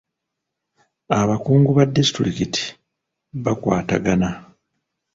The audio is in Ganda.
Abakungu ba disitulikiti bakwatagana.